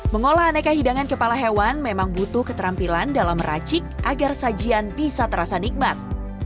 mengolah aneka hidangan kepala hewan memang butuh keterampilan dalam meracik agar sajian bisa terasa nikmat